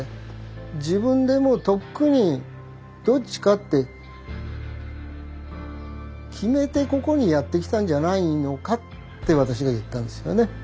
自分でもうとっくにどっちかって決めてここにやって来たんじゃないのかって私が言ったんですよね。